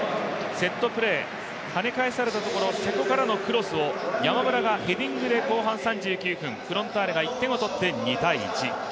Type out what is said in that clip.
セットプレー、跳ね返されたところ瀬古からのクロスを山村がヘディングで後半３９分、フロンターレが１点を取って２−１。